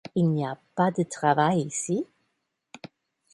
Il n’y a pas de travail ici ?